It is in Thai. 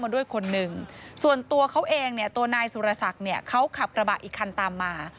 แต่ตัวเขาเองตัวนายสุรษักร์เนี่ยเขาขับกระเปะอีกครั้งตามมา